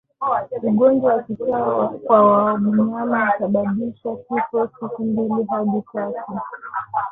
Ugonjwa wa kichaa kwa mnyama husababisha kifo siku mbili hadi tatu